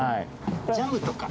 ジャムとか。